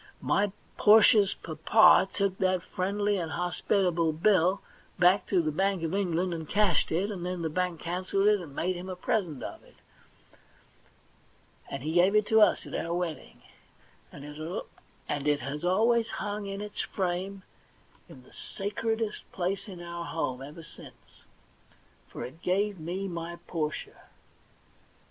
My Portia's papa took that friendly and hos pitable bill back to the Bank of England and cashed it; then the Bank cancelled it and made him a present of it, and he gave it to us at our wedding, and it has always hung in its frame in the sacredest THE £1,000,000 DANK NOTE 39 place in our home, ever since. For it gave me my Portia.